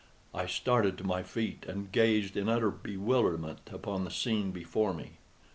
I started to my feet, and gazed in utter bewilderment upon the scene before me.